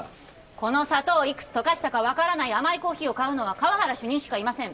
この砂糖をいくつ溶かしたか分からない甘いコーヒーを買うのは河原主任しかいません